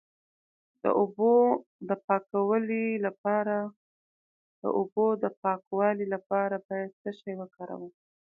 د اوبو د پاکوالي لپاره باید څه شی وکاروم؟